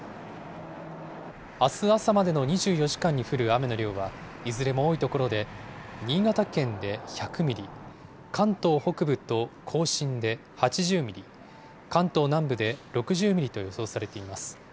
あす朝までの２４時間に降る雨の量は、いずれも多い所で、新潟県で１００ミリ、関東北部と甲信で８０ミリ、関東南部で６０ミリと予想されています。